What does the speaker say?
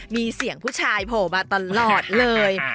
มีเสียงผู้ชายโผล่มาตลอดเลย